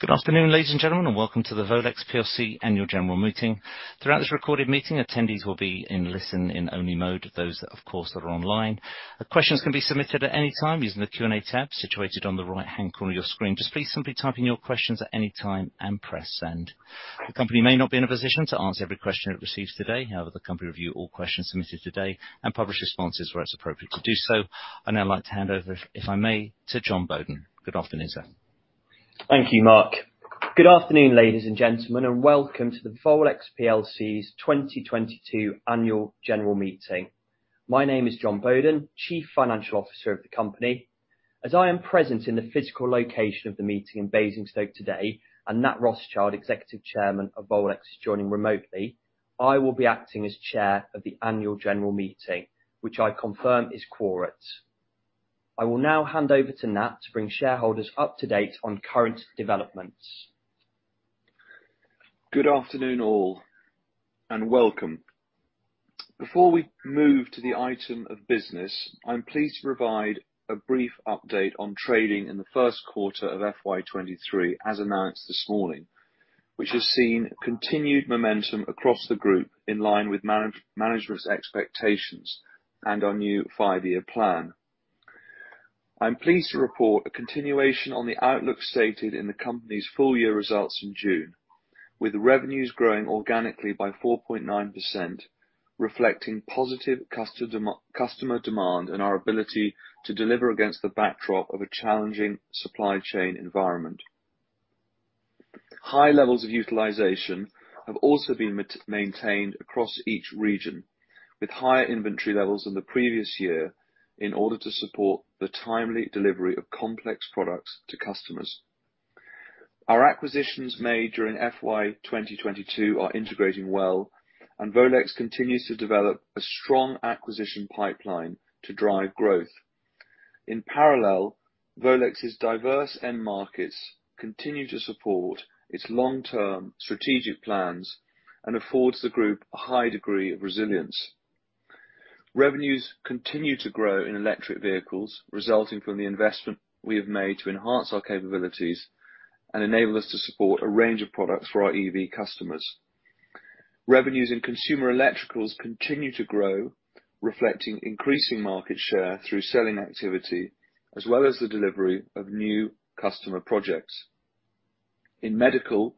Good afternoon, ladies and gentlemen, and welcome to the Volex PLC annual general meeting. Throughout this recorded meeting, attendees will be in listen in only mode. Those that, of course, are online. Questions can be submitted at any time using the Q&A tab situated on the right-hand corner of your screen. Just please simply type in your questions at any time and press send. The company may not be in a position to answer every question it receives today. However, the company review all questions submitted today and publish responses where it's appropriate to do so. I'd now like to hand over, if I may, to Jon Boaden. Good afternoon, sir. Thank you, Mark. Good afternoon, ladies and gentlemen, and welcome to the Volex plc's 2022 annual general meeting. My name is Jon Boaden, Chief Financial Officer of the company. As I am present in the physical location of the meeting in Basingstoke today, and Nat Rothschild, Executive Chairman of Volex, is joining remotely, I will be acting as Chair of the Annual General Meeting, which I confirm is quorate. I will now hand over to Nat to bring shareholders up to date on current developments. Good afternoon, all, and welcome. Before we move to the item of business, I'm pleased to provide a brief update on trading in the first quarter of FY 2023, as announced this morning, which has seen continued momentum across the group in line with management's expectations and our new five-year plan. I'm pleased to report a continuation on the outlook stated in the company's full year results in June, with revenues growing organically by 4.9%, reflecting positive customer demand and our ability to deliver against the backdrop of a challenging supply chain environment. High levels of utilization have also been maintained across each region, with higher inventory levels than the previous year in order to support the timely delivery of complex products to customers. Our acquisitions made during FY 2022 are integrating well, and Volex continues to develop a strong acquisition pipeline to drive growth. In parallel, Volex's diverse end markets continue to support its long-term strategic plans and affords the group a high degree of resilience. Revenues continue to grow in electric vehicles, resulting from the investment we have made to enhance our capabilities and enable us to support a range of products for our EV customers. Revenues in consumer electricals continue to grow, reflecting increasing market share through selling activity, as well as the delivery of new customer projects. In medical,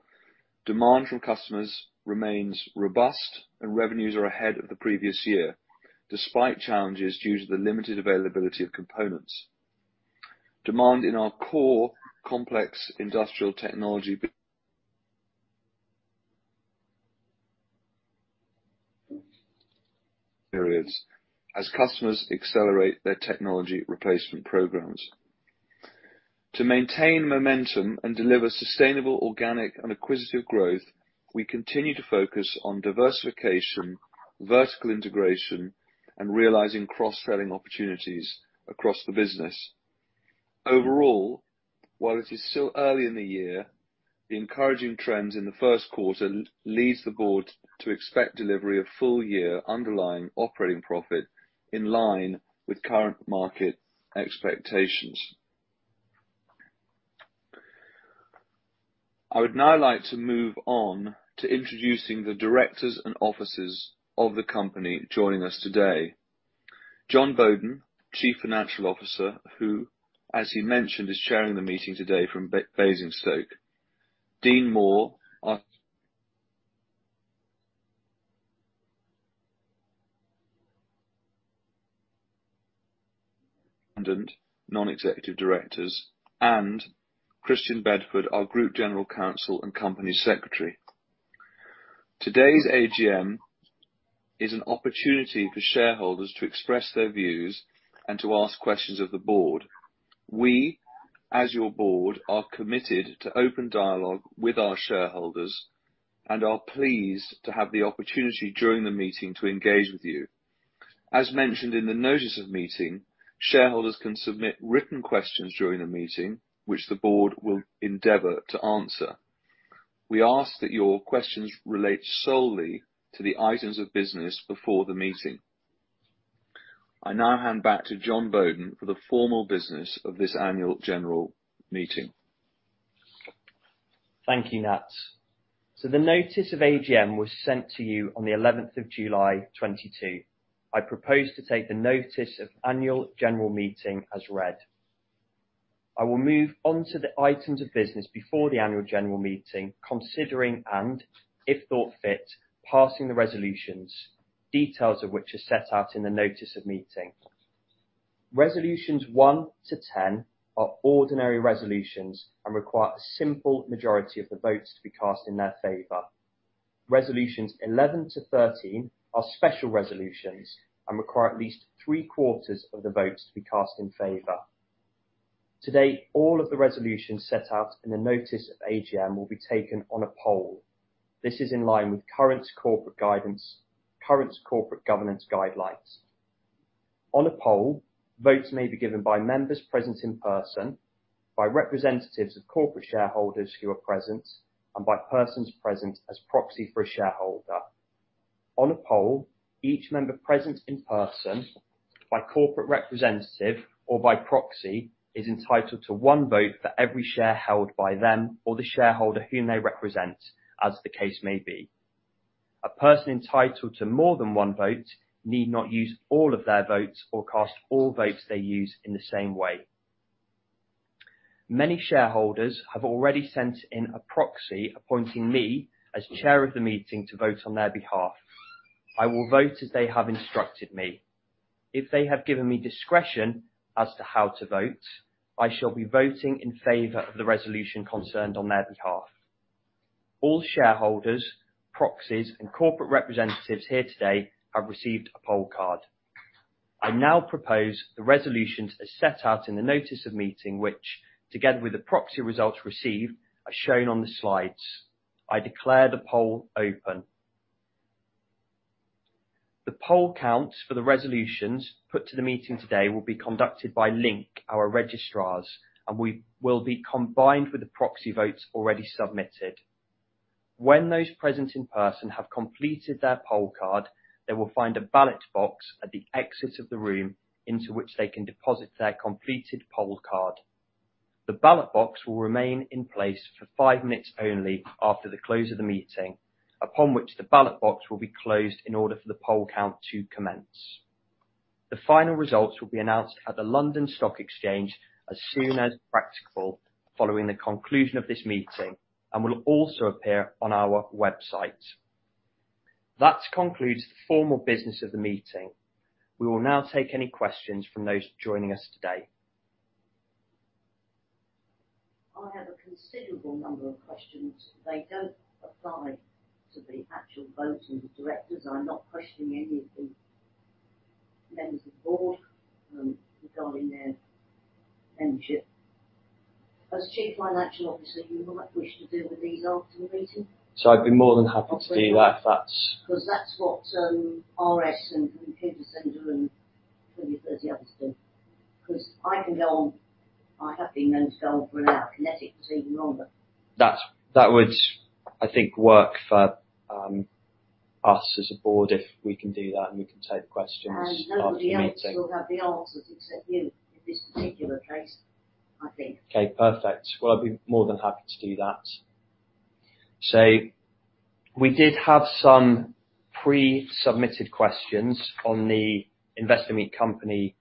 demand from customers remains robust and revenues are ahead of the previous year, despite challenges due to the limited availability of components. Demand in our core Complex Industrial Technology persists as customers accelerate their technology replacement programs. To maintain momentum and deliver sustainable, organic and acquisitive growth, we continue to focus on diversification, vertical integration, and realizing cross-selling opportunities across the business. Overall, while it is still early in the year, the encouraging trends in the first quarter leads the board to expect delivery of full year underlying operating profit in line with current market expectations. I would now like to move on to introducing the directors and officers of the company joining us today. Jon Boaden, Chief Financial Officer, who, as he mentioned, is chairing the meeting today from Basingstoke. Dean Moore, our independent non-executive directors, and Christian Bedford, our Group General Counsel and Company Secretary. Today's AGM is an opportunity for shareholders to express their views and to ask questions of the board. We, as your board, are committed to open dialogue with our shareholders and are pleased to have the opportunity during the meeting to engage with you. As mentioned in the notice of meeting, shareholders can submit written questions during the meeting, which the board will endeavor to answer. We ask that your questions relate solely to the items of business before the meeting. I now hand back to Jon Boaden for the formal business of this annual general meeting. Thank you, Nat. The notice of AGM was sent to you on the July 11th, 2022. I propose to take the notice of annual general meeting as read. I will move on to the items of business before the annual general meeting, considering and, if thought fit, passing the resolutions, details of which are set out in the notice of meeting. Resolutions one to 10 are ordinary resolutions and require a simple majority of the votes to be cast in their favor. Resolutions 11 to 13 are special resolutions and require at least three-quarters of the votes to be cast in favor. Today, all of the resolutions set out in the notice of AGM will be taken on a poll. This is in line with current corporate guidance, current corporate governance guidelines. On a poll, votes may be given by members present in person, by representatives of corporate shareholders who are present, and by persons present as proxy for a shareholder. On a poll, each member present in person by corporate representative or by proxy, is entitled to one vote for every share held by them or the shareholder whom they represent, as the case may be. A person entitled to more than one vote need not use all of their votes or cast all votes they use in the same way. Many shareholders have already sent in a proxy appointing me as chair of the meeting to vote on their behalf. I will vote as they have instructed me. If they have given me discretion as to how to vote, I shall be voting in favor of the resolution concerned on their behalf. All shareholders, proxies and corporate representatives here today have received a poll card. I now propose the resolutions as set out in the notice of meeting, which together with the proxy results received, are shown on the slides. I declare the poll open. The poll count for the resolutions put to the meeting today will be conducted by Link, our registrars, and will be combined with the proxy votes already submitted. When those present in person have completed their poll card, they will find a ballot box at the exit of the room into which they can deposit their completed poll card. The ballot box will remain in place for five minutes only after the close of the meeting, upon which the ballot box will be closed in order for the poll count to commence. The final results will be announced at the London Stock Exchange as soon as practicable following the conclusion of this meeting and will also appear on our website. That concludes the formal business of the meeting. We will now take any questions from those joining us today. I have a considerable number of questions. They don't apply to the actual voting of the directors. I'm not questioning any of the members of the board, regarding their membership. As Chief Financial, obviously, you might wish to deal with these after the meeting. I'd be more than happy to do that. 'Cause that's what RS and Peter Sander and the others do. 'Cause I can go on. I have been known to go on for an hour, and it can for even longer. That would, I think, work for us as a board if we can do that, and we can take questions after the meeting. Nobody else will have the answers except you in this particular case, I think. Okay, perfect. Well, I'd be more than happy to do that. We did have some pre-submitted questions on the Investor Meet Company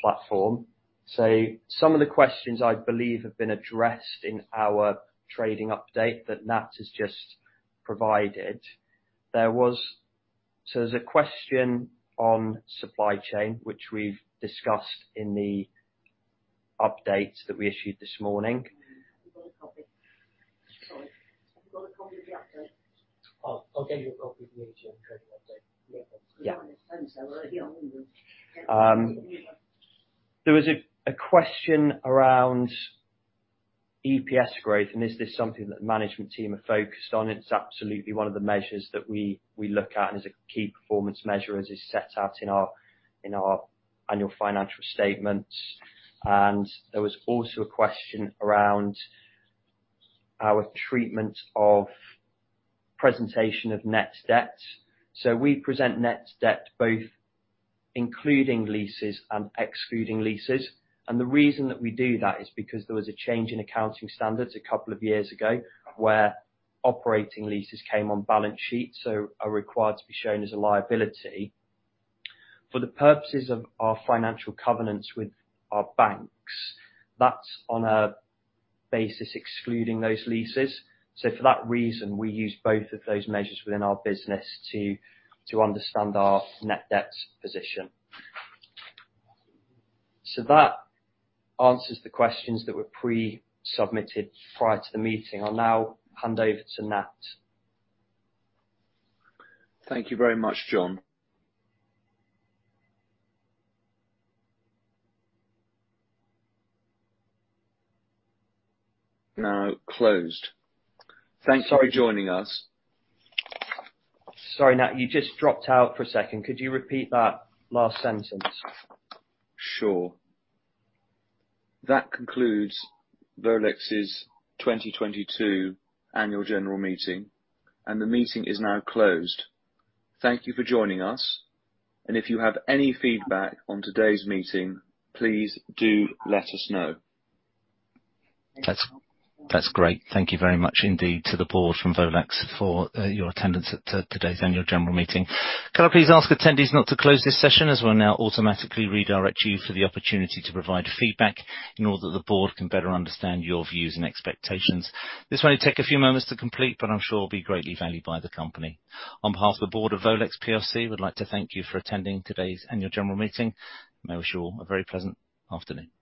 platform. Some of the questions, I believe, have been addressed in our trading update that Nat has just provided. There's a question on supply chain, which we've discussed in the update that we issued this morning. Have you got a copy? Sorry. Have you got a copy of the update? I'll get you a copy of the AGM trading update. Yeah. Yeah. There was a question around EPS growth, and is this something that the management team are focused on? It's absolutely one of the measures that we look at and is a key performance measure as is set out in our annual financial statements. There was also a question around our treatment and presentation of net debt. We present net debt both including leases and excluding leases. The reason that we do that is because there was a change in accounting standards a couple of years ago where operating leases came on balance sheet, so they are required to be shown as a liability. For the purposes of our financial covenants with our banks, that's on a basis excluding those leases. For that reason, we use both of those measures within our business to understand our net debt position. That answers the questions that were pre-submitted prior to the meeting. I'll now hand over to Nat. Thank you very much, Jon. Now closed. Thank you for joining us. Sorry, Nat, you just dropped out for a second. Could you repeat that last sentence? Sure. That concludes Volex's 2022 annual general meeting, and the meeting is now closed. Thank you for joining us, and if you have any feedback on today's meeting, please do let us know. That's great. Thank you very much indeed to the board from Volex for your attendance at today's annual general meeting. Can I please ask attendees not to close this session as we'll now automatically redirect you for the opportunity to provide feedback in order that the board can better understand your views and expectations. This will only take a few moments to complete but I'm sure will be greatly valued by the company. On behalf of the board of Volex plc, we'd like to thank you for attending today's annual general meeting. May I wish you all a very pleasant afternoon.